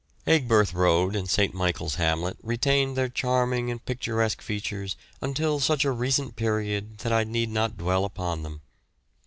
Aigburth Road and St. Michael's Hamlet retained their charming and picturesque features until such a recent period that I need not dwell upon them.